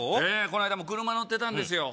こないだも車乗ってたんですよ